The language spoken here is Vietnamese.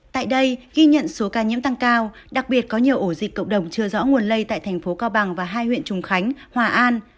tại đây ghi nhận số ca nhiễm tăng cao đặc biệt có nhiều ổ dịch cộng đồng chưa rõ nguồn lây tại thành phố cao bằng và hai huyện trùng khánh hòa an